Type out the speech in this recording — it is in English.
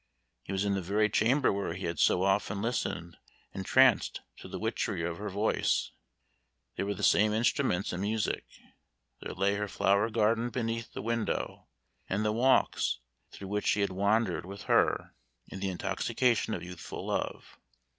He was in the very chamber where he had so often listened entranced to the witchery of her voice; there were the same instruments and music; there lay her flower garden beneath the window, and the walks through which he had wandered with her in the intoxication of youthful love.